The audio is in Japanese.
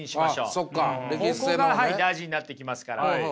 ここが大事になってきますから。